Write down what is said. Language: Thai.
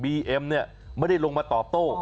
เอ็มเนี่ยไม่ได้ลงมาตอบโต้